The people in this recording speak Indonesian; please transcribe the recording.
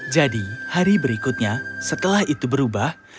jadi hari berikutnya setelah itu berubah